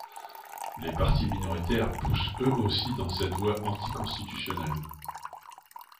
Les partis minoritaires poussent eux aussi dans cette voie anticonstitutionnelle.